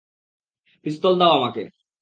পিস্তল দাও আমাকে!